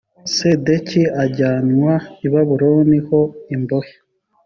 sedekiya ajyanwa i babuloni ho imbohe